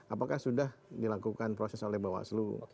apakah sudah dilakukan proses oleh bawaslu